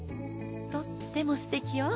とってもすてきよ！